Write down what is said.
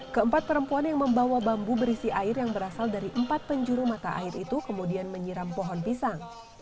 keempat perempuan yang membawa bambu berisi air yang berasal dari empat penjuru mata air itu kemudian menyiram pohon pisang